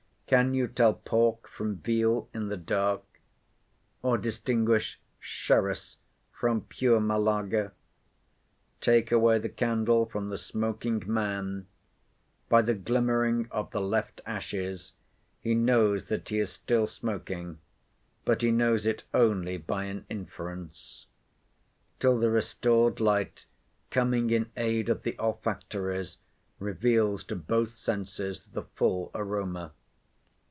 Can you tell pork from veal in the dark? or distinguish Sherris from pure Malaga? Take away the candle from the smoking man; by the glimmering of the left ashes, he knows that he is still smoking, but he knows it only by an inference; till the restored light, coming in aid of the olfactories, reveals to both senses the full aroma.